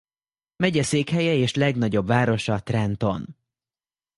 Megyeszékhelye és legnagyobb városa Trenton.